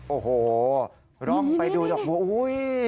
โอ้โหร่องไปดูดอกบัวอุ้ย